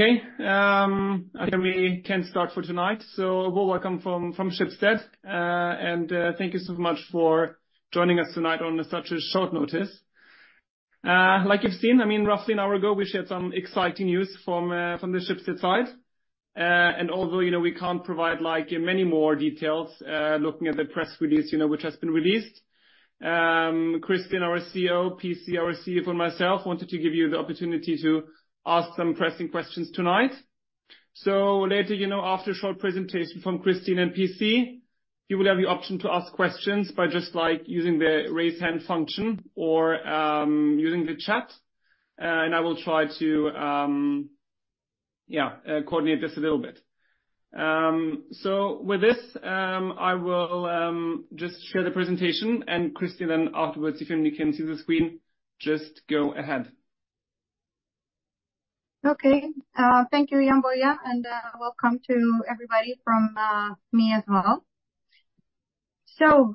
Okay, I think we can start for tonight. So, well, welcome from Schibsted, and thank you so much for joining us tonight on such a short notice. Like you've seen, I mean, roughly an hour ago, we shared some exciting news from the Schibsted side. And although, you know, we can't provide, like, many more details, looking at the press release, you know, which has been released, Kristin, our CEO,P.C, our CFO, and myself wanted to give you the opportunity to ask some pressing questions tonight. So later, you know, after a short presentation from Kristin and P.C, you will have the option to ask questions by just, like, using the Raise Hand function or using the chat, and I will try to, yeah, coordinate this a little bit. With this, I will just share the presentation, and Kristin, then afterwards, if you can see the screen, just go ahead. Okay. Thank you, Jann-Boje, and welcome to everybody from me as well. So,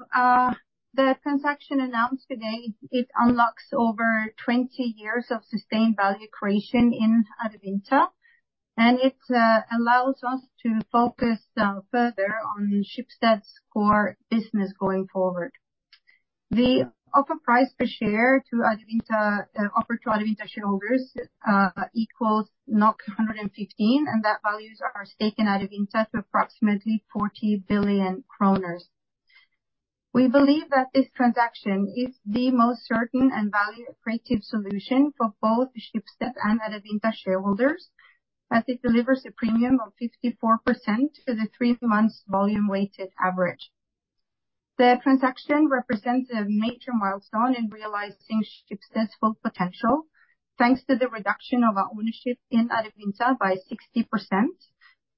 the transaction announced today, it unlocks over 20 years of sustained value creation in Adevinta, and it allows us to focus further on Schibsted's core business going forward. The offer price per share to Adevinta offered to Adevinta shareholders equals NOK 115, and that values our stake in Adevinta to approximately 40 billion kroner. We believe that this transaction is the most certain and value-accretive solution for both the Schibsted and Adevinta shareholders, as it delivers a premium of 54% for the three months volume weighted average. The transaction represents a major milestone in realizing Schibsted's full potential, thanks to the reduction of our ownership in Adevinta by 60%,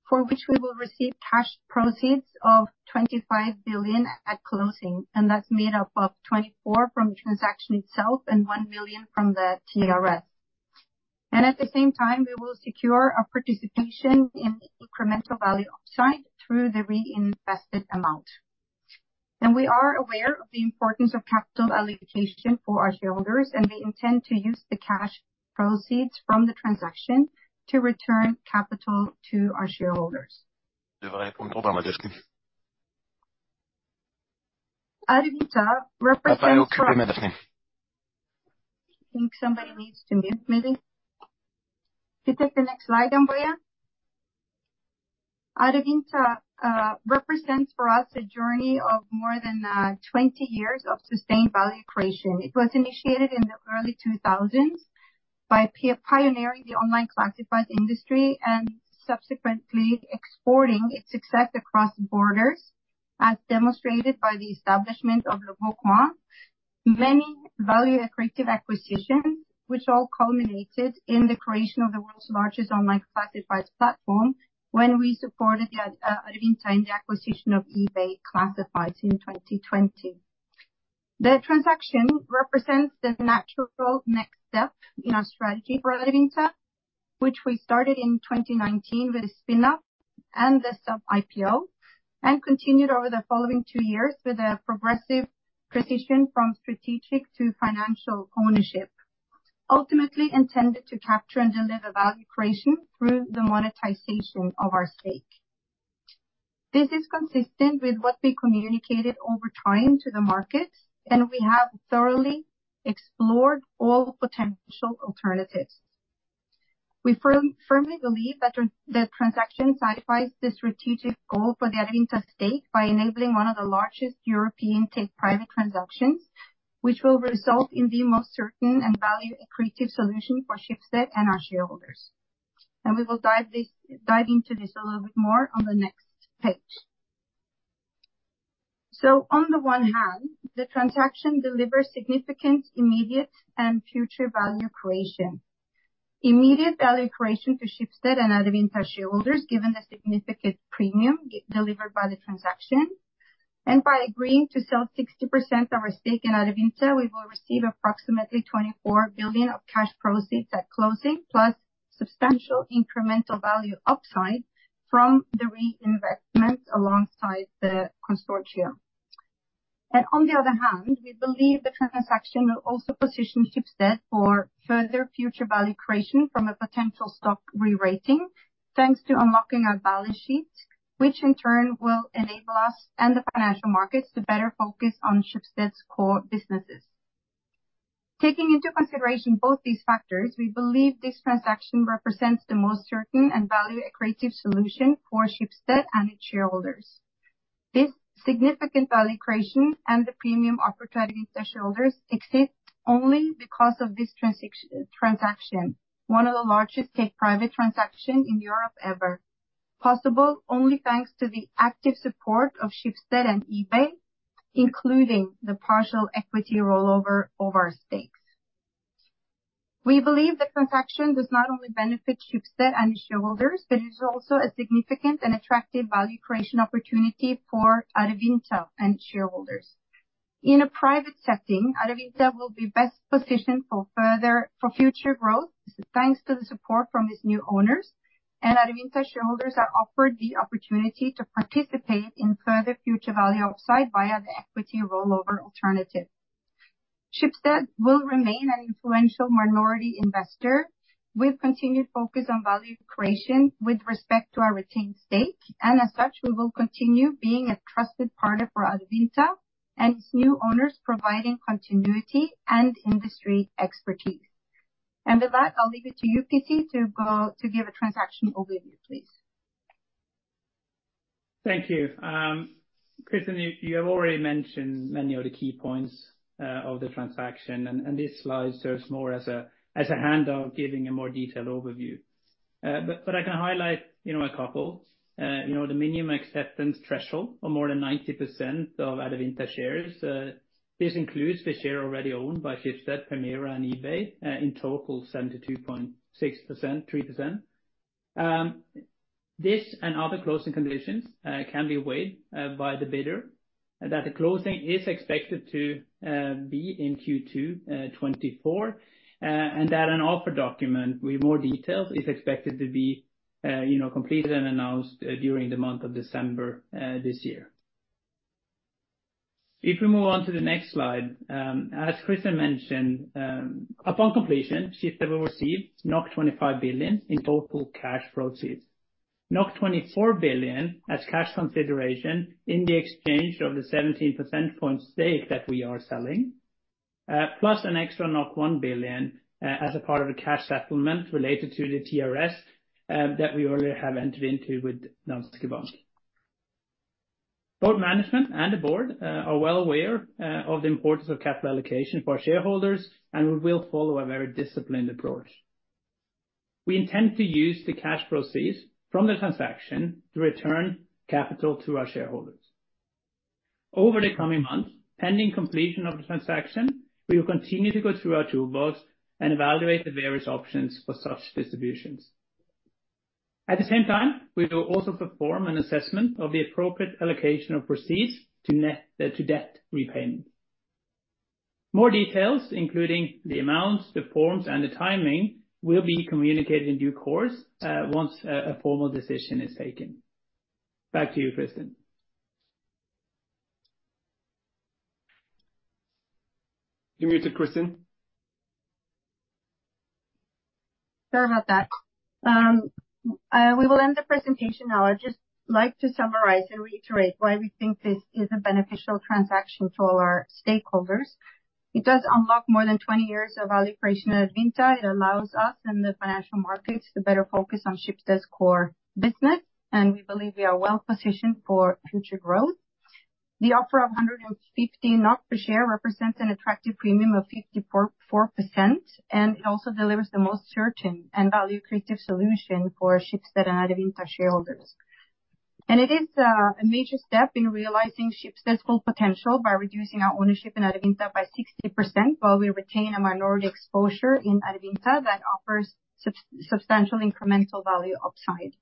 for which we will receive cash proceeds of 25 billion at closing, and that's made up of 24 billion from the transaction itself and 1 billion from the TRS. At the same time, we will secure our participation in the incremental value upside through the reinvested amount. We are aware of the importance of capital allocation for our shareholders, and we intend to use the cash proceeds from the transaction to return capital to our shareholders. Adevinta represents for- I think somebody needs to mute maybe. Could you take the next slide, Jann-Boje? Adevinta, represents for us a journey of more than 20 years of sustained value creation. It was initiated in the early 2000s by pioneering the online classifieds industry and subsequently exporting its success across borders, as demonstrated by the establishment of Leboncoin. Many value-accretive acquisitions, which all culminated in the creation of the world's largest online classifieds platform when we supported the Adevinta in the acquisition of eBay classifieds in 2020. The transaction represents the natural next step in our strategy for Adevinta, which we started in 2019 with a spin-off and the sub-IPO, and continued over the following two years with a progressive transition from strategic to financial ownership, ultimately intended to capture and deliver value creation through the monetization of our stake. This is consistent with what we communicated over time to the market, and we have thoroughly explored all potential alternatives. We firmly believe that the transaction satisfies the strategic goal for the Adevinta stake by enabling one of the largest European take-private transactions, which will result in the most certain and value-accretive solution for Schibsted and our shareholders. We will dive into this a little bit more on the next page. So on the one hand, the transaction delivers significant, immediate, and future value creation. Immediate value creation for Schibsted and Adevinta shareholders, given the significant premium delivered by the transaction. By agreeing to sell 60% of our stake in Adevinta, we will receive approximately 24 billion of cash proceeds at closing, plus substantial incremental value upside from the reinvestment alongside the consortium. On the other hand, we believe the transaction will also position Schibsted for further future value creation from a potential stock re-rating, thanks to unlocking our balance sheet, which in turn will enable us and the financial markets to better focus on Schibsted's core businesses. Taking into consideration both these factors, we believe this transaction represents the most certain and value-accretive solution for Schibsted and its shareholders. This significant value creation and the premium offered to Adevinta shareholders exists only because of this transaction, one of the largest take-private transaction in Europe ever. Possible only thanks to the active support of Schibsted and eBay, including the partial equity rollover of our stakes. We believe the transaction does not only benefit Schibsted and its shareholders, but it is also a significant and attractive value creation opportunity for Adevinta and its shareholders. In a private setting, Adevinta will be best positioned for future growth, this is thanks to the support from its new owners, and Adevinta shareholders are offered the opportunity to participate in further future value upside via the equity rollover alternative.... Schibsted will remain an influential minority investor with continued focus on value creation with respect to our retained stake, and as such, we will continue being a trusted partner for Adevinta and its new owners, providing continuity and industry expertise. With that, I'll leave it to you, P.C, to give a transaction overview, please. Thank you. Kristin, you have already mentioned many of the key points of the transaction, and this slide serves more as a handout, giving a more detailed overview. But I can highlight, you know, a couple. You know, the minimum acceptance threshold of more than 90% of Adevinta shares, this includes the share already owned by Schibsted, Permira, and eBay, in total, 72.6%, 3%. This and other closing conditions can be waived by the bidder, and that the closing is expected to be in Q2 2024. And that an offer document with more details is expected to be, you know, completed and announced during the month of December this year. If we move on to the next slide. As Kristin mentioned, upon completion, Schibsted will receive 25 billion in total cash proceeds. 24 billion as cash consideration in the exchange of the 17% stake that we are selling, plus an extra 1 billion as a part of a cash settlement related to the TRS that we already have entered into with DNB Bank. Both management and the board are well aware of the importance of capital allocation for our shareholders, and we will follow a very disciplined approach. We intend to use the cash proceeds from the transaction to return capital to our shareholders. Over the coming months, pending completion of the transaction, we will continue to go through our toolbox and evaluate the various options for such distributions. At the same time, we will also perform an assessment of the appropriate allocation of proceeds to net debt repayment. More details, including the amounts, the forms, and the timing, will be communicated in due course, once a formal decision is taken. Back to you, Kristin. You're muted, Kristin. Sorry about that. We will end the presentation now. I'd just like to summarize and reiterate why we think this is a beneficial transaction for our stakeholders. It does unlock more than 20 years of value creation at Adevinta. It allows us in the financial markets to better focus on Schibsted's core business, and we believe we are well positioned for future growth. The offer of 150 NOK per share represents an attractive premium of 54.4%, and it also delivers the most certain and value-creative solution for Schibsted and Adevinta shareholders. And it is a major step in realizing Schibsted's full potential by reducing our ownership in Adevinta by 60%, while we retain a minority exposure in Adevinta that offers substantial incremental value upside.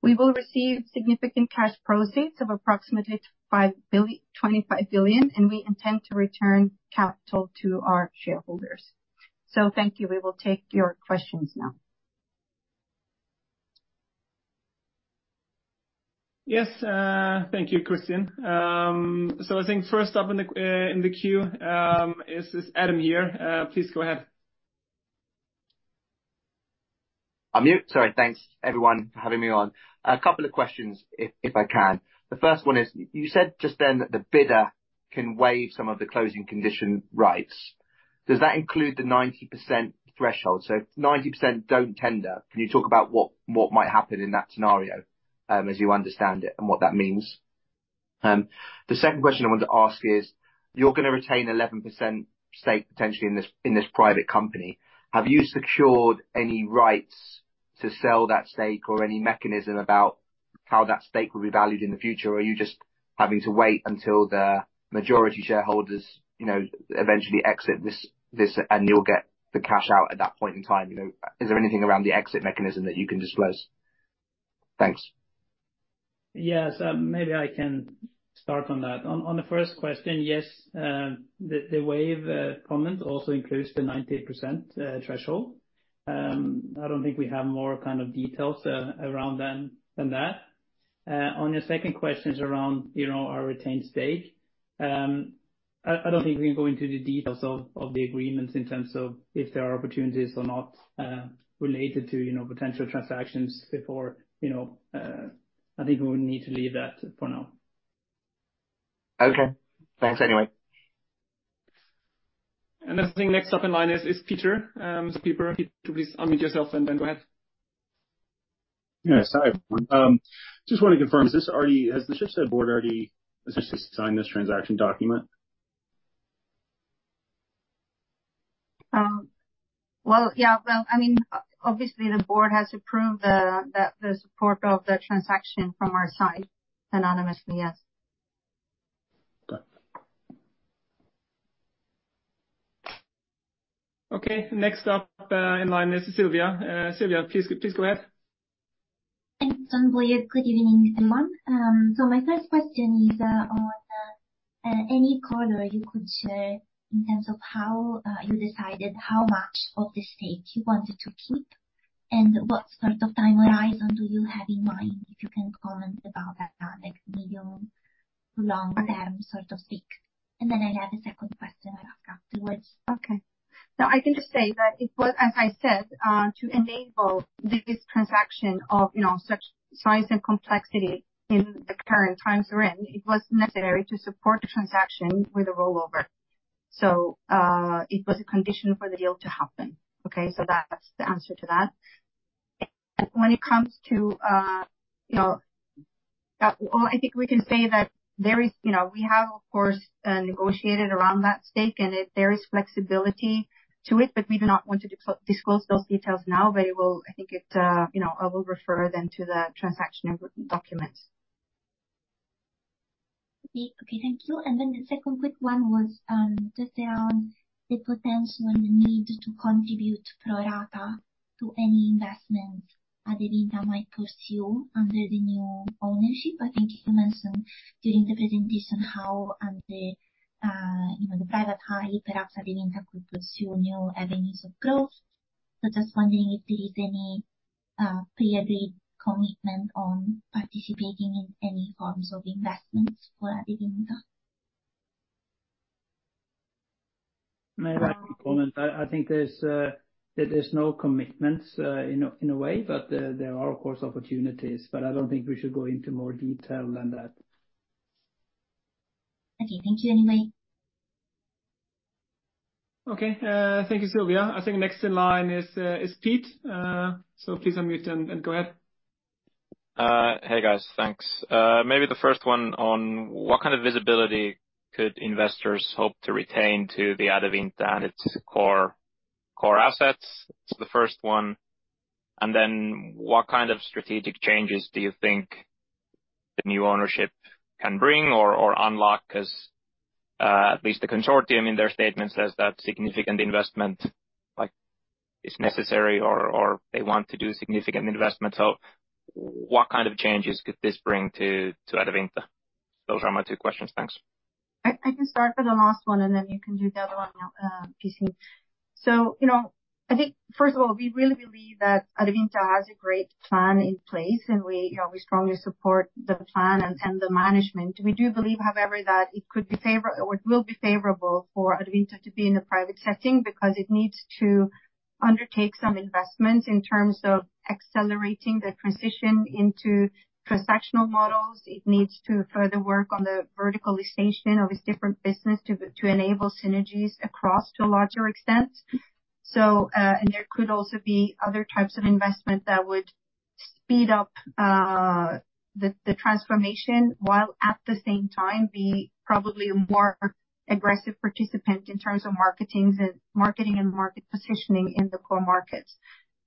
We will receive significant cash proceeds of approximately 25 billion, and we intend to return capital to our shareholders. Thank you. We will take your questions now. Yes, thank you, Kristin. So I think first up in the queue is Adam here. Please go ahead. On mute. Sorry. Thanks, everyone, for having me on. A couple of questions if I can. The first one is, you said just then that the bidder can waive some of the closing condition rights. Does that include the 90% threshold? So if 90% don't tender, can you talk about what might happen in that scenario, as you understand it, and what that means? The second question I wanted to ask is, you're gonna retain 11% stake, potentially, in this private company. Have you secured any rights to sell that stake or any mechanism about how that stake will be valued in the future? Or are you just having to wait until the majority shareholders, you know, eventually exit this, and you'll get the cash out at that point in time, you know? Is there anything around the exit mechanism that you can disclose? Thanks. Yes, maybe I can start on that. On the first question, yes, the waiver comment also includes the 90% threshold. I don't think we have more, kind of, details around than that. On your second questions around, you know, our retained stake, I don't think we can go into the details of the agreements in terms of if there are opportunities or not, related to, you know, potential transactions before, you know. I think we would need to leave that for now. Okay. Thanks anyway. I think next up in line is Peter. So Peter, please unmute yourself, and then go ahead. Yes. Hi, everyone. Just want to confirm, is this already... Has the Schibsted board already officially signed this transaction document? Well, yeah, well, I mean, obviously, the board has approved the support of the transaction from our side. Unanimously, yes. Got it. Okay. Next up, in line is Sylvia. Sylvia, please, please go ahead. Thanks, and good evening, everyone. So my first question is, on any color you could share in terms of how you decided how much of the stake you wanted to keep? And what sort of time horizon do you have in mind, if you can comment about that, like, medium, long term, so to speak? And then I have a second question I'll ask afterwards. Okay. So I can just say that it was, as I said, to enable this transaction of, you know, such size and complexity in the current times we're in, it was necessary to support the transaction with a rollover. So, it was a condition for the deal to happen. Okay? So that's the answer to that. When it comes to, you know, well, I think we can say that there is, you know, we have, of course, negotiated around that stake, and there is flexibility to it, but we do not want to disclose those details now, but it will, I think, you know, I will refer them to the transaction documents. Okay, thank you. And then the second quick one was just around the potential and the need to contribute pro rata to any investments that Adevinta might pursue under the new ownership. I think you mentioned during the presentation how under, you know, the private equity, perhaps Adevinta could pursue new avenues of growth. So just wondering if there is any pre-agreed commitment on participating in any forms of investments for Adevinta? May I comment? I think there's no commitments in a way, but there are, of course, opportunities, but I don't think we should go into more detail than that. Okay. Thank you anyway. Okay. Thank you, Sylvia. I think next in line is Pete. So please unmute and go ahead. Hey, guys. Thanks. Maybe the first one on what kind of visibility could investors hope to retain to the Adevinta and its core, core assets? It's the first one. And then, what kind of strategic changes do you think the new ownership can bring or, or unlock? Because, at least the consortium, in their statement, says that significant investment, like, is necessary or, or they want to do significant investment. So what kind of changes could this bring to, to Adevinta? Those are my two questions. Thanks. I can start with the last one, and then you can do the other one, P.C. So, you know, I think, first of all, we really believe that Adevinta has a great plan in place, and we, you know, we strongly support the plan and, and the management. We do believe, however, that it could be favor- or it will be favorable for Adevinta to be in a private setting, because it needs to undertake some investments in terms of accelerating the transition into transactional models. It needs to further work on the verticalization of its different business to, to enable synergies across to a larger extent. So, and there could also be other types of investment that would speed up the transformation, while at the same time be probably a more aggressive participant in terms of marketings and marketing and market positioning in the core markets.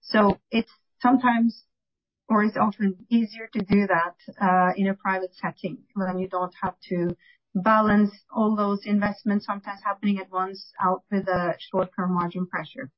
So it's sometimes, or it's often easier to do that in a private setting, when you don't have to balance all those investments sometimes happening at once out with a short-term margin pressure.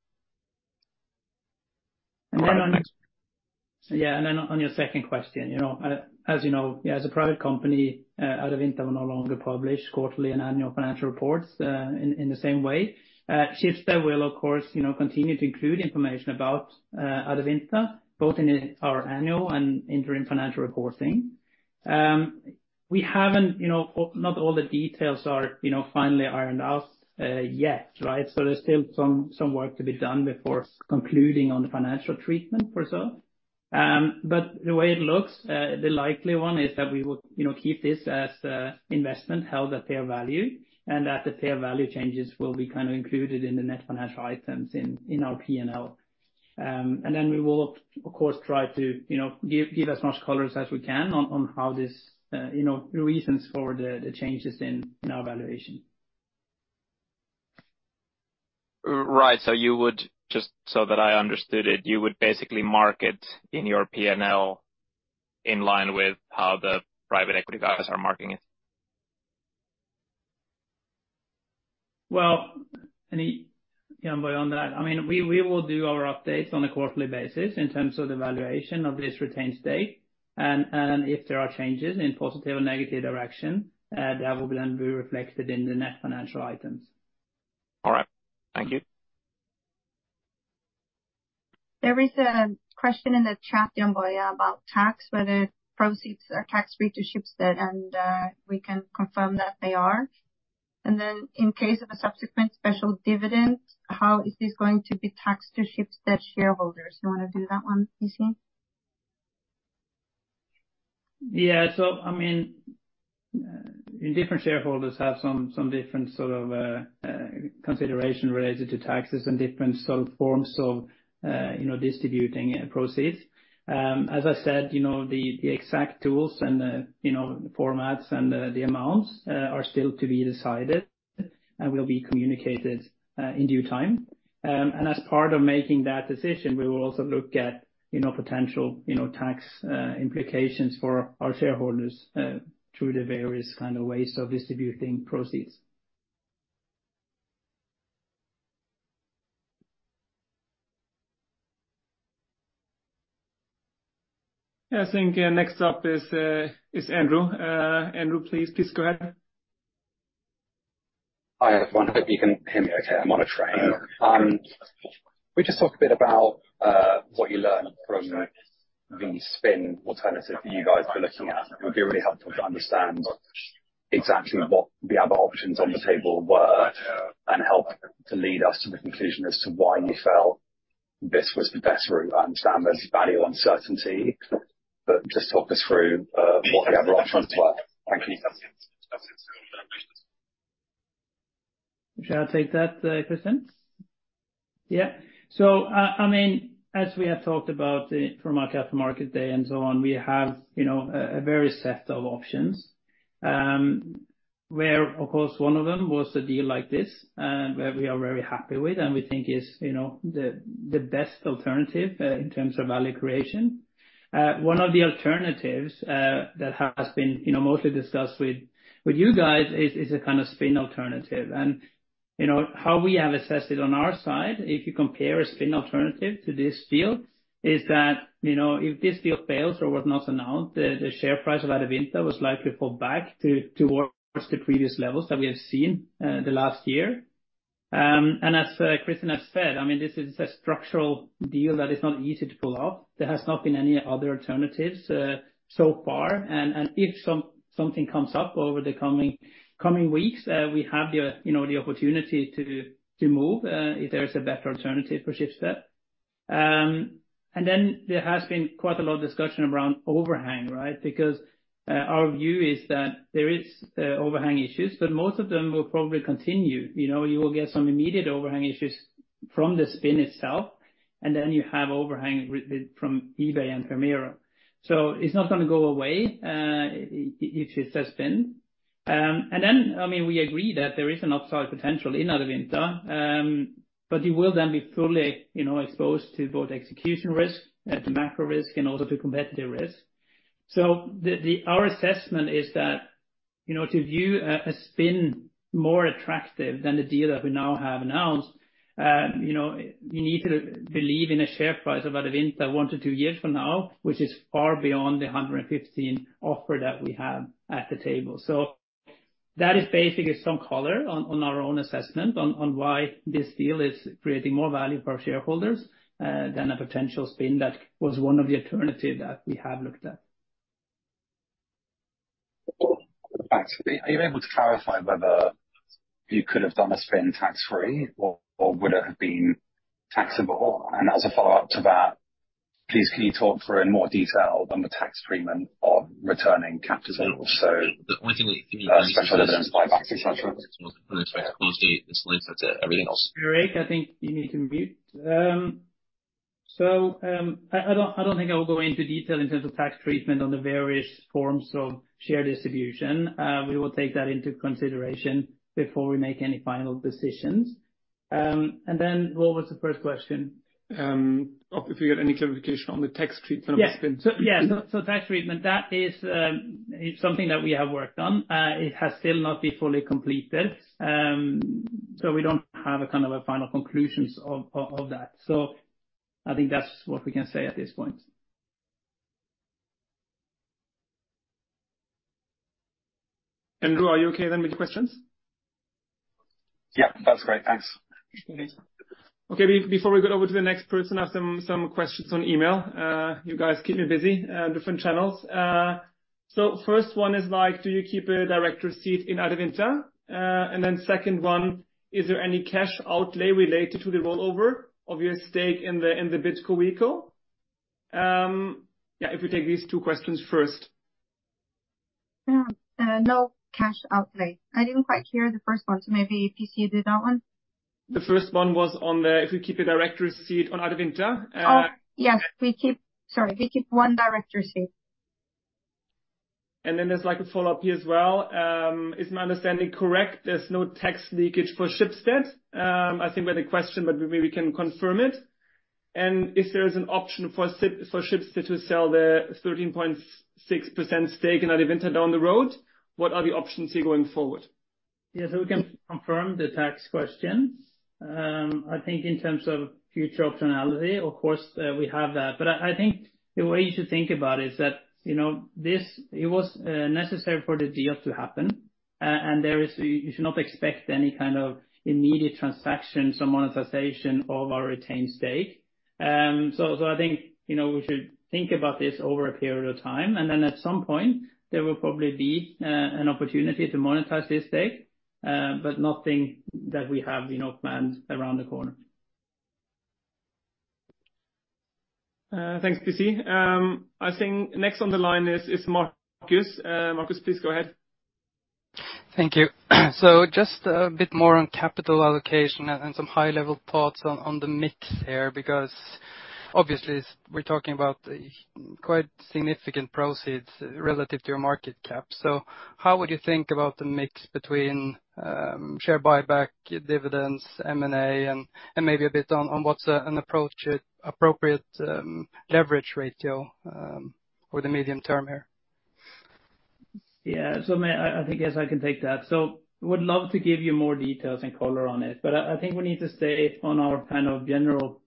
Yeah, and then on your second question, you know, as you know, as a private company, Adevinta will no longer publish quarterly and annual financial reports, in the same way. Schibsted will, of course, you know, continue to include information about Adevinta, both in our annual and interim financial reporting. We haven't, you know, not all the details are, you know, finally ironed out, yet, right? So there's still some work to be done before concluding on the financial treatment for so. But the way it looks, the likely one is that we will, you know, keep this as a investment held at fair value, and that the fair value changes will be kind of included in the net financial items in our P&L. And then we will, of course, try to, you know, give as much colors as we can on how this, you know, reasons for the changes in our valuation. Right. So you would... Just so that I understood it, you would basically market in your P&L in line with how the private equity guys are marketing it? Well, yeah, beyond that, I mean, we will do our updates on a quarterly basis in terms of the valuation of this retained stake. And if there are changes in positive or negative direction, that will then be reflected in the net financial items. All right. Thank you. There is a question in the chat, Jann-boye about tax, whether proceeds are tax free to Schibsted, and we can confirm that they are. And then in case of a subsequent special dividend, how is this going to be taxed to Schibsted shareholders? You want to do that one, P.C? Yeah. So I mean, different shareholders have some different sort of consideration related to taxes and different sort of forms of, you know, distributing proceeds. As I said, you know, the exact tools and, you know, formats and, the amounts are still to be decided and will be communicated, in due time. And as part of making that decision, we will also look at, you know, potential, you know, tax implications for our shareholders, through the various kind of ways of distributing proceeds. I think, next up is, is Andrew. Andrew, please, please go ahead.... Hi, everyone. Hope you can hear me okay, I'm on a train. Can we just talk a bit about what you learned from the spin alternative that you guys were looking at? It would be really helpful to understand exactly what the other options on the table were, and help to lead us to the conclusion as to why you felt this was the best route. I understand there's value uncertainty, but just talk us through what the other options were. Thank you. Shall I take that, Kristin? Yeah. So, I mean, as we have talked about, from our Capital Markets Day and so on, we have, you know, a various set of options. Where, of course, one of them was a deal like this, and where we are very happy with, and we think is, you know, the best alternative in terms of value creation. One of the alternatives that has been, you know, mostly discussed with you guys is a kind of spin alternative. And, you know, how we have assessed it on our side, if you compare a spin alternative to this deal, is that, you know, if this deal fails or was not announced, the share price of Adevinta was likely to fall back to, towards the previous levels that we have seen, the last year. And as Kristin has said, I mean, this is a structural deal that is not easy to pull off. There has not been any other alternatives so far, and if something comes up over the coming weeks, we have the, you know, the opportunity to move if there is a better alternative for Schibsted. And then there has been quite a lot of discussion around overhang, right? Because our view is that there is overhang issues, but most of them will probably continue. You know, you will get some immediate overhang issues from the spin itself, and then you have overhang from eBay and Permira. So it's not gonna go away if it does spin. And then, I mean, we agree that there is an upside potential in Adevinta, but you will then be fully, you know, exposed to both execution risk, to macro risk, and also to competitive risk. So the... Our assessment is that, you know, to view a, a spin more attractive than the deal that we now have announced, you know, you need to believe in a share price of Adevinta onr to two years from now, which is far beyond the 115 offer that we have at the table. So that is basically some color on, on our own assessment on, on why this deal is creating more value for our shareholders, than a potential spin that was one of the alternative that we have looked at. Thanks. Are you able to clarify whether you could have done a spin tax-free, or, or would it have been taxable? As a follow-up to that, please, can you talk through in more detail on the tax treatment of returning capital? So especially the buyback structure. Eric, I think you need to mute. I don't think I will go into detail in terms of tax treatment on the various forms of share distribution. We will take that into consideration before we make any final decisions. And then what was the first question? If you got any clarification on the tax treatment of spin? Yes. So yeah, so tax treatment, that is, it's something that we have worked on. It has still not been fully completed, so we don't have a kind of a final conclusions of that. So I think that's what we can say at this point. Andrew, are you okay then with the questions? Yeah, that's great. Thanks. Okay. Before we go over to the next person, I have some questions on email. You guys keep me busy, different channels. So first one is like: Do you keep a director seat in Adevinta? And then second one: Is there any cash outlay related to the rollover of your stake in the, in the Adevinta? Yeah, if you take these two questions first. No cash outlay. I didn't quite hear the first one, so maybe P.C, you do that one? The first one was on the... If we keep a director seat on Adevinta, Oh, yes, we keep... Sorry, we keep one director seat. Then there's, like, a follow-up here as well. Is my understanding correct, there's no tax leakage for Schibsted? I think we're the question, but maybe we can confirm it. If there is an option for Schibsted to sell their 13.6% stake in Adevinta down the road, what are the options here going forward? Yeah, so we can confirm the tax question. I think in terms of future optionality, of course, we have that. But I think the way you should think about it is that, you know, this, it was necessary for the deal to happen, and there is. You should not expect any kind of immediate transactions or monetization of our retained stake. So I think, you know, we should think about this over a period of time, and then at some point, there will probably be an opportunity to monetize this stake, but nothing that we have, you know, planned around the corner. Thanks, P.C. I think next on the line is Marcus. Marcus, please go ahead. Thank you. So just bit more on capital allocation and, and some high-level thoughts on, on the mix here, because obviously we're talking about quite significant proceeds relative to your market cap. So how would you think about the mix between share buyback, dividends, M&A, and, and maybe a bit on, on what's an appropriate leverage ratio for the medium term here? Yeah. So may I, I think, yes, I can take that. So would love to give you more details and color on it, but I, I think we need to stay on our kind of general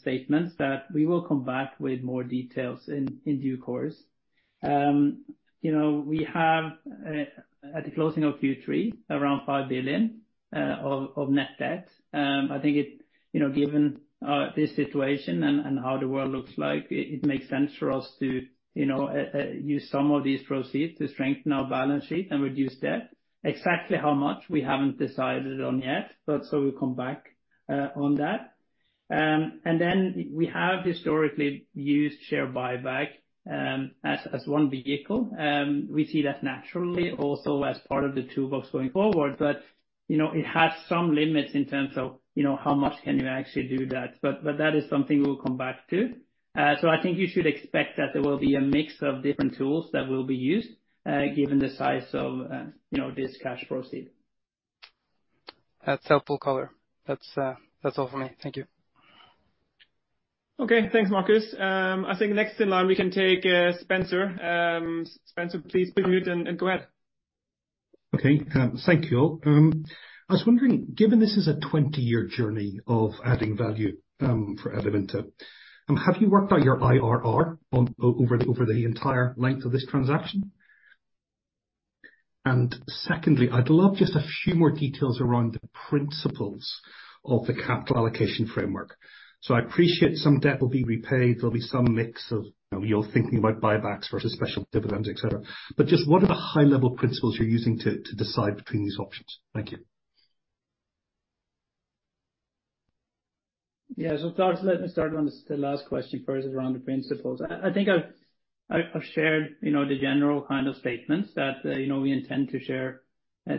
statements, that we will come back with more details in due course. You know, we have at the closing of Q3, around 5 billion of net debt. I think it, you know, given this situation and how the world looks like, it makes sense for us to, you know, use some of these proceeds to strengthen our balance sheet and reduce debt. Exactly how much we haven't decided on yet, but so we'll come back on that. And then we have historically used share buyback as one vehicle. We see that naturally also as part of the toolbox going forward. But, you know, it has some limits in terms of, you know, how much can you actually do that? But that is something we'll come back to. So I think you should expect that there will be a mix of different tools that will be used, given the size of, you know, this cash proceeds. That's helpful color. That's, that's all for me. Thank you. Okay. Thanks, Marcus. I think next in line, we can take Spencer. Spencer, please unmute and go ahead. Okay. Thank you. I was wondering, given this is a 20-year journey of adding value for Adevinta, have you worked out your IRR over the entire length of this transaction? And secondly, I'd love just a few more details around the principles of the capital allocation framework. So I appreciate some debt will be repaid, there'll be some mix of, you know, you're thinking about buybacks versus special dividends, et cetera. But just what are the high-level principles you're using to decide between these options? Thank you. Yeah, so Lars, let me start on the last question first, around the principles. I think I've shared, you know, the general kind of statements that, you know, we intend to share,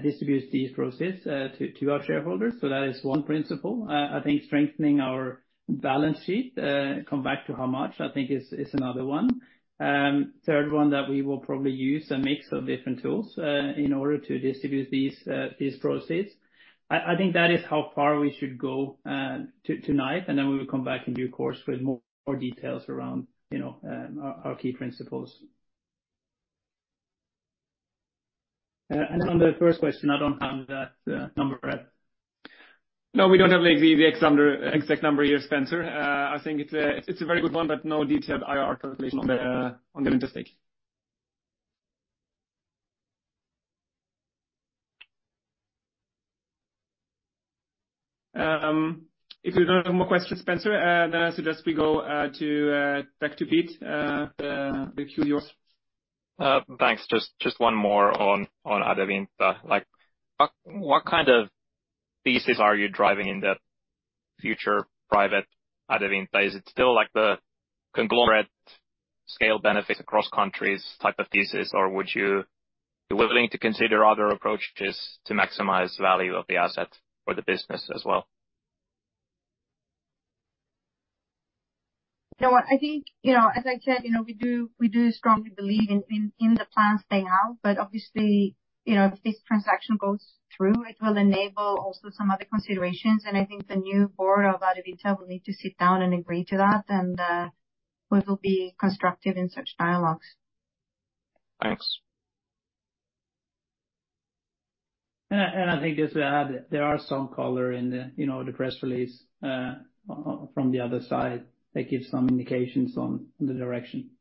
distribute these proceeds to our shareholders. So that is one principle. I think strengthening our balance sheet, come back to how much, I think is another one. Third one, that we will probably use a mix of different tools in order to distribute these proceeds. I think that is how far we should go tonight, and then we will come back in due course with more details around, you know, our key principles. And on the first question, I don't have that number right. No, we don't have the exact number here, Spencer. I think it's a very good one, but no detailed IRR calculation on the stake. If you don't have more questions, Spencer, then I suggest we go back to Pete for the Q&A. Thanks. Just one more on Adevinta. Like, what kind of thesis are you driving in that future private Adevinta? Is it still like the conglomerate scale benefits across countries type of thesis, or would you be willing to consider other approaches to maximize value of the asset or the business as well? You know what? I think, you know, as I said, you know, we do, we do strongly believe in, in, in the plans they have. But obviously, you know, if this transaction goes through, it will enable also some other considerations, and I think the new board of Adevinta will need to sit down and agree to that, and we will be constructive in such dialogues. Thanks. I think just to add, there are some color in the, you know, the press release from the other side that gives some indications on the direction.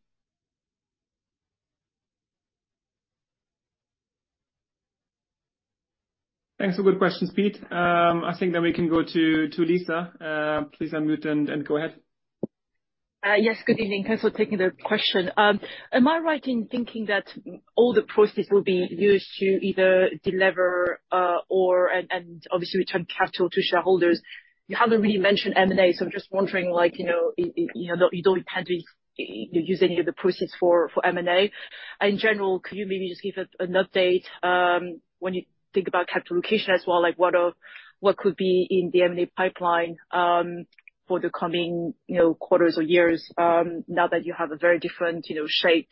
Thanks for good questions, Pete. I think then we can go to Lisa. Please unmute and go ahead. Yes, good evening. Thanks for taking the question. Am I right in thinking that all the proceeds will be used to either delever or and obviously return capital to shareholders? You haven't really mentioned M&A, so I'm just wondering, like, you know, you know, you don't intend to use any of the proceeds for M&A. In general, could you maybe just give an update when you think about capital allocation as well, like what are, what could be in the M&A pipeline for the coming, you know, quarters or years now that you have a very different, you know, shape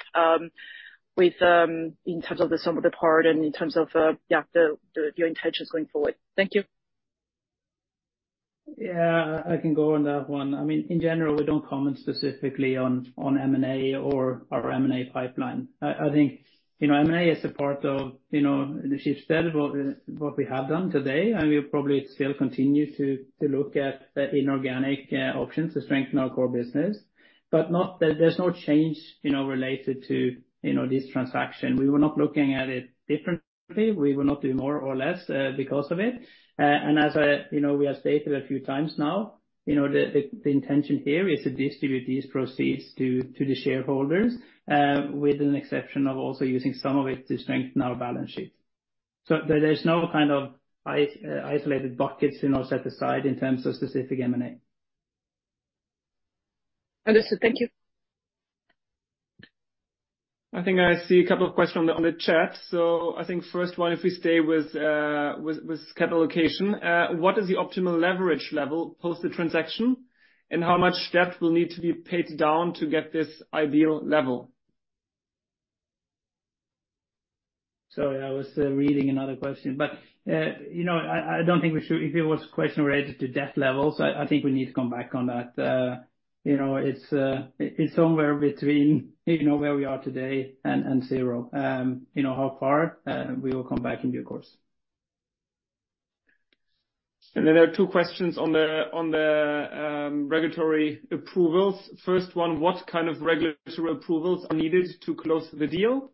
with in terms of the sum of the part and in terms of, yeah, your intentions going forward? Thank you. Yeah, I can go on that one. I mean, in general, we don't comment specifically on M&A or our M&A pipeline. I think, you know, M&A is a part of, you know, the shift that what we have done today, and we'll probably still continue to look at the inorganic options to strengthen our core business. But not... There's no change, you know, related to, you know, this transaction. We were not looking at it differently. We will not do more or less because of it. And as we have stated a few times now, you know, the intention here is to distribute these proceeds to the shareholders, with an exception of also using some of it to strengthen our balance sheet. There, there's no kind of isolated buckets, you know, set aside in terms of specific M&A. Understood. Thank you. I think I see a couple of questions on the, on the chat. So I think first one, if we stay with, with capital allocation, what is the optimal leverage level post the transaction? And how much debt will need to be paid down to get this ideal level? Sorry, I was reading another question. But you know, I don't think we should. If it was a question related to debt levels, I think we need to come back on that. You know, it's somewhere between you know where we are today and zero. You know, how far we will come back in due course.... And then there are two questions on the regulatory approvals. First one, what kind of regulatory approvals are needed to close the deal?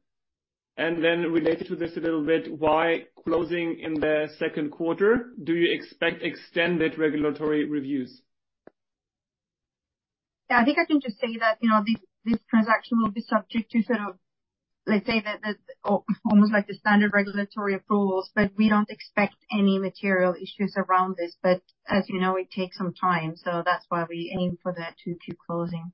And then related to this a little bit, why closing in the second quarter? Do you expect extended regulatory reviews? Yeah, I think I can just say that, you know, this transaction will be subject to sort of, let's say, almost like the standard regulatory approvals, but we don't expect any material issues around this. But as you know, it takes some time, so that's why we aim for that Q2 closing.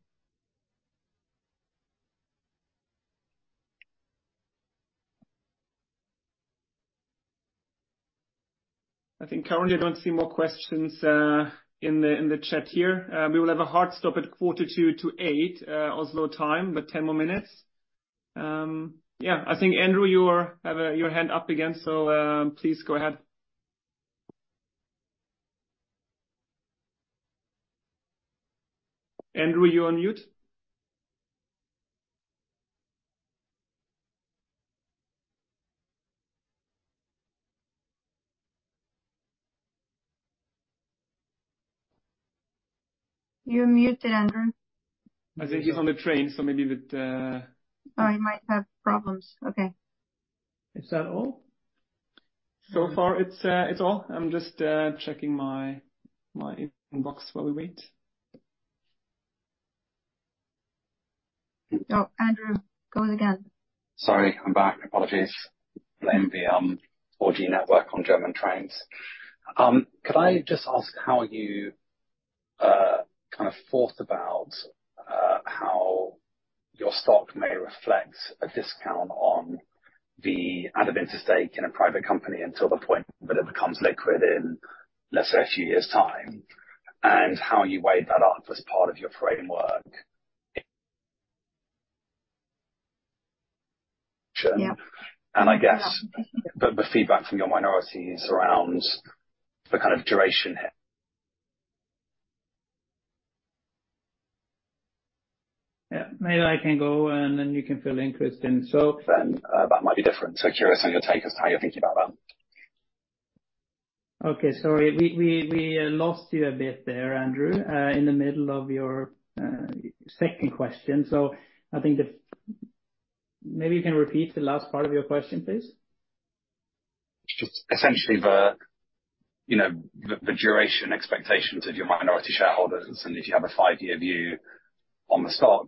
I think currently I don't see more questions, in the chat here. We will have a hard stop at quarter to eight, Oslo time, but 10 more minutes. Yeah, I think, Andrew, you're have, your hand up again, so, please go ahead. Andrew, you're on mute? You're muted, Andrew. I think he's on the train, so maybe with the- Oh, he might have problems. Okay. Is that all? So far, it's all. I'm just checking my inbox while we wait. Oh, Andrew, go again. Sorry, I'm back. Apologies. Blame the 4G network on German trains. Could I just ask how you kind of thought about how your stock may reflect a discount on the Adevinta stake in a private company until the point that it becomes liquid in, let's say, a few years' time, and how you weighed that up as part of your framework? Yeah. I guess the feedback from your minorities around the kind of duration here. Yeah, maybe I can go, and then you can fill in, Kristin. So- Then, that might be different. So curious on your take, as to how you're thinking about that. Okay, sorry, we lost you a bit there, Andrew, in the middle of your second question. So I think the... Maybe you can repeat the last part of your question, please. Just essentially, you know, the duration expectations of your minority shareholders, and if you have a five-year view on the stock,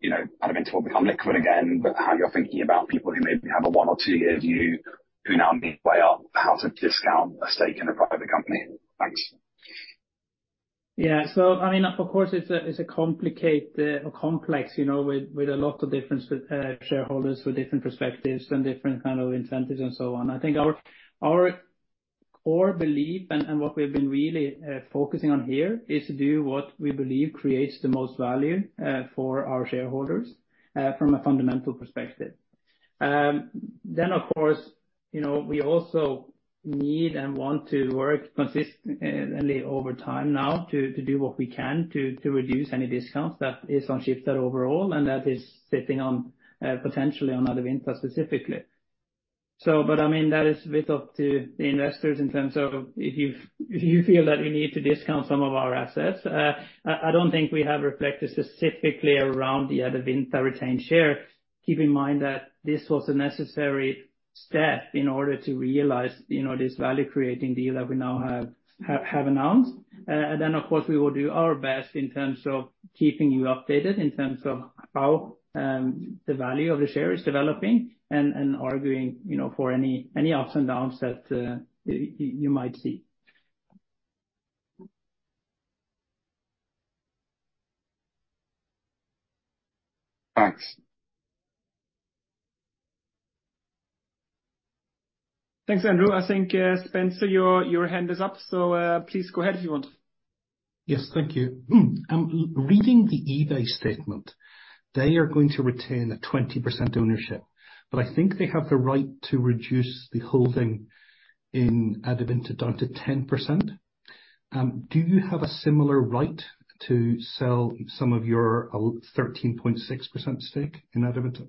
you know, Adevinta, will become liquid again. But how you're thinking about people who maybe have a one- or two-year view, who now need to weigh up how to discount a stake in a private company. Thanks. Yeah. So I mean, of course, it's a complex, you know, with a lot of different shareholders with different perspectives and different kind of incentives and so on. I think our core belief and what we've been really focusing on here is to do what we believe creates the most value for our shareholders from a fundamental perspective. Then, of course, you know, we also need and want to work consistently only over time now, to do what we can to reduce any discounts that is on Schibsted overall, and that is sitting on potentially on Adevinta specifically. So, but I mean, that is a bit up to the investors in terms of if you feel that we need to discount some of our assets. I don't think we have reflected specifically around the Adevinta retained share. Keep in mind that this was a necessary step in order to realize, you know, this value-creating deal that we now have announced. And then, of course, we will do our best in terms of keeping you updated, in terms of how the value of the share is developing and arguing, you know, for any ups and downs that you might see. Thanks. Thanks, Andrew. I think, Spencer, your hand is up, so, please go ahead if you want. Yes, thank you. Reading the eBay statement, they are going to retain a 20% ownership, but I think they have the right to reduce the holding in Adevinta down to 10%. Do you have a similar right to sell some of your 13.6% stake in Adevinta?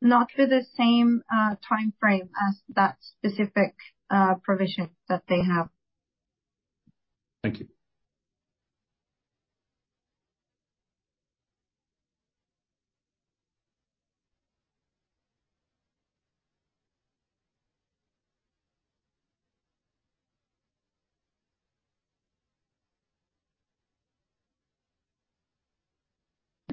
Not through the same timeframe as that specific provision that they have. Thank you.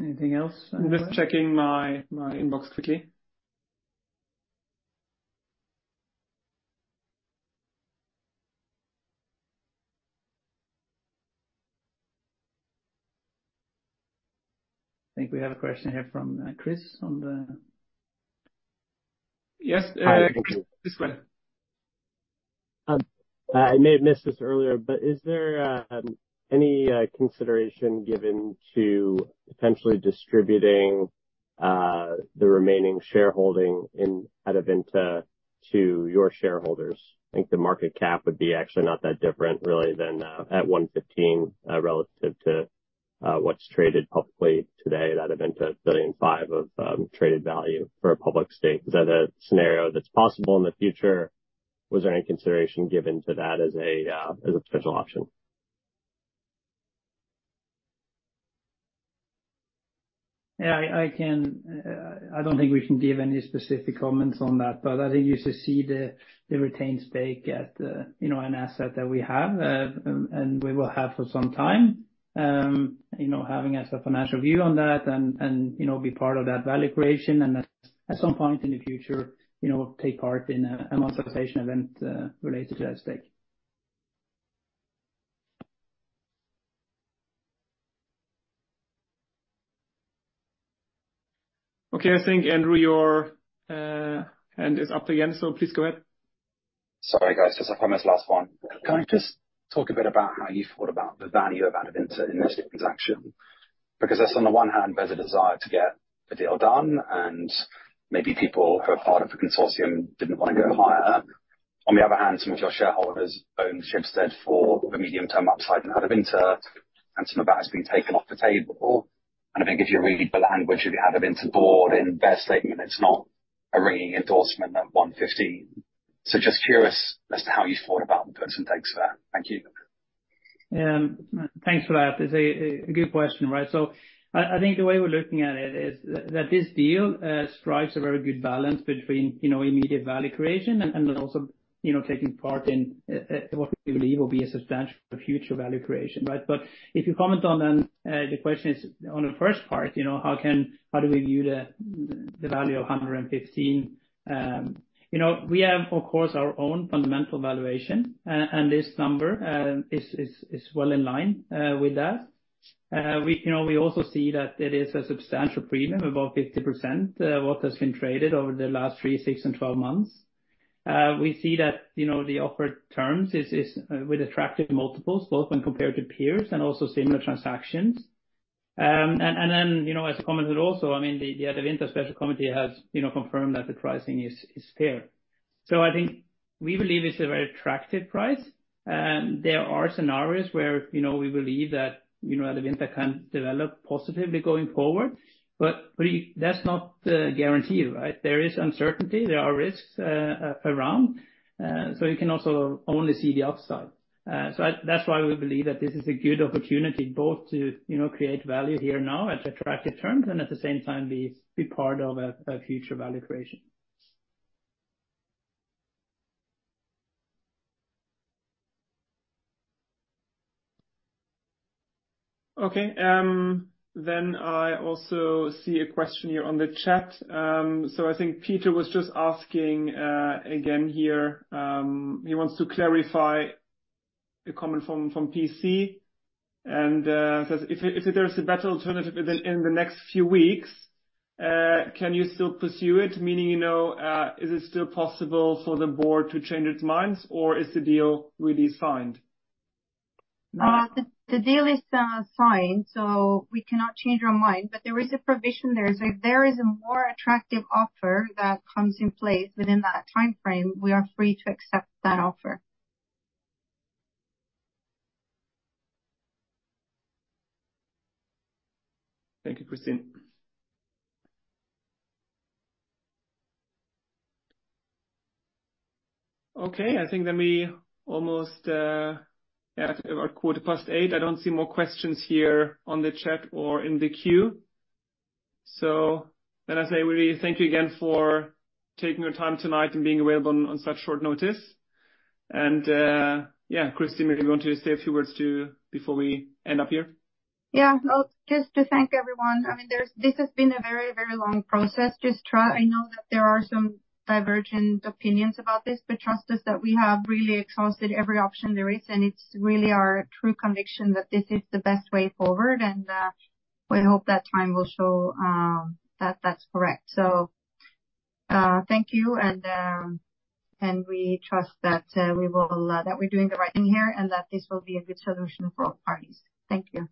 Anything else? I'm just checking my inbox quickly. I think we have a question here from Chris on the- Yes, Chris, go ahead. I may have missed this earlier, but is there any consideration given to potentially distributing the remaining shareholding in Adevinta to your shareholders? I think the market cap would be actually not that different, really, than at 115 relative to what's traded publicly today, that event at 1.5 billion of traded value for a public stake. Is that a scenario that's possible in the future? Was there any consideration given to that as a potential option? Yeah, I can. I don't think we can give any specific comments on that, but I think you just see the retained stake at, you know, an asset that we have, and we will have for some time. You know, having as a financial view on that and, you know, be part of that value creation, and at some point in the future, you know, take part in a monetization event related to that stake. Okay, I think, Andrew, your hand is up again, so please go ahead. Sorry, guys. Just, I promise, last one. Can I just talk a bit about how you thought about the value of Adevinta in this transaction? Because that's on the one hand, there's a desire to get a deal done, and maybe people who are part of the consortium didn't want to go higher. On the other hand, some of your shareholders own Schibsted for the medium-term upside in Adevinta, and some of that has been taken off the table. I think if you read the language of the Adevinta board in their statement, it's not a ringing endorsement at 115. So just curious as to how you thought about the price. Thanks for that. Thank you. Thanks for that. It's a good question, right? So I think the way we're looking at it is that this deal strikes a very good balance between, you know, immediate value creation and also, you know, taking part in what we believe will be a substantial future value creation, right? But if you comment on then, the question is, on the first part, you know, how do we view the value of 115? You know, we have, of course, our own fundamental valuation, and this number is well in line with that. We, you know, we also see that it is a substantial premium, about 50%, what has been traded over the last three, six and 12 months. We see that, you know, the offered terms is with attractive multiples, both when compared to peers and also similar transactions. And then, you know, as commented also, I mean, the Adevinta special committee has, you know, confirmed that the pricing is fair. So I think we believe it's a very attractive price, and there are scenarios where, you know, we believe that, you know, Adevinta can develop positively going forward, but that's not guaranteed, right? There is uncertainty, there are risks around, so you can also only see the upside. So that's why we believe that this is a good opportunity both to, you know, create value here now at attractive terms, and at the same time, be part of a future value creation. Okay, then I also see a question here on the chat. So I think Peter was just asking, again here, he wants to clarify a comment from P.C, and says, "If there's a better alternative within the next few weeks, can you still pursue it? Meaning, you know, is it still possible for the board to change its minds, or is the deal really signed? The deal is signed, so we cannot change our mind, but there is a provision there. If there is a more attractive offer that comes in place within that time frame, we are free to accept that offer. Thank you, Kristin. Okay, I think then we almost. Yeah, it's about 8:15 P.M. I don't see more questions here on the chat or in the queue. So then I say, we thank you again for taking your time tonight and being available on such short notice. And, yeah, Kristin, maybe you want to say a few words, too, before we end up here? Yeah. Well, just to thank everyone. I mean, there's this has been a very, very long process. Just trust, I know that there are some divergent opinions about this, but trust us that we have really exhausted every option there is, and it's really our true conviction that this is the best way forward, and we hope that time will show that that's correct. So, thank you, and and we trust that we will that we're doing the right thing here, and that this will be a good solution for all parties. Thank you.